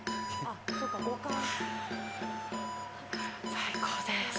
最高です。